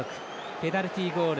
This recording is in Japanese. ペナルティゴール